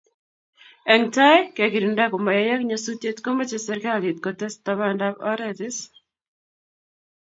Eng tai, kekirinda komayayak nyasutiet, komache serikalit kotes tabandab oret si